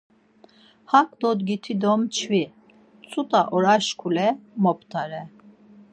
Hak dodgiti do mçvi, ç̌ut̆a oraşkule moptare.